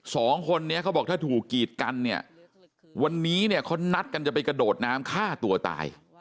สองคนนี้เขาบอกถ้าถูกกีดกันเนี่ยวันนี้เนี่ยเขานัดกันจะไปกระโดดน้ำฆ่าตัวตาย